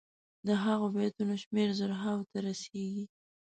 د هغو بیتونو شمېر زرهاوو ته رسيږي.